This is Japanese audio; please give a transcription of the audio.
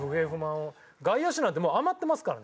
外野手なんてもう余ってますからね。